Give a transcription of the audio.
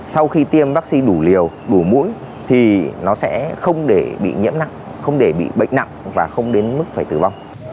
sau khi tiêm vaccine đủ liều đủ mũi thì nó sẽ không để bị nhiễm nặng không để bị bệnh nặng và không đến mức phải tử vong